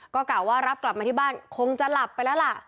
ก็กล่าวว่ารับกลับมาที่บ้านคงจะหลับไปแล้วล่ะ